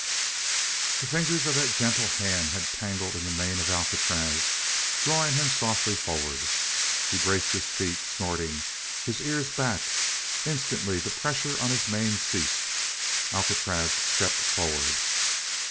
The fingers of that gentle hand had tangled in the mane of Alcatraz, drawing him softly forward. He braced his feet, snorting, his ears back. Instantly the pressure on his mane ceased. Alcatraz stepped forward.